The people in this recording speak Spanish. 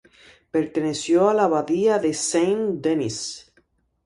Perteneció a la abadía de Saint-Denis.